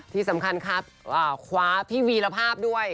ที่สำคัญครับคว้าพี่วีรภาพด้วย